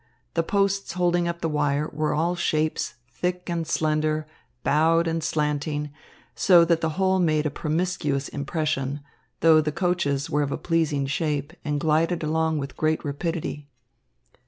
The posts holding up the wire were all shapes, thick and slender, bowed and slanting, so that the whole made a promiscuous impression, though the coaches were of a pleasing shape and glided along with great rapidity.